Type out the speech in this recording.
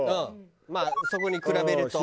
まあそこに比べると。